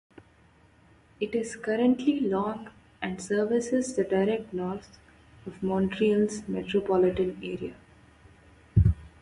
It is currently long and services the direct north of Montreal's Metropolitan Area.